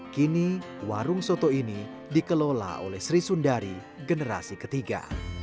kini warung soto ini dikelola oleh sri sundari generasi ketiga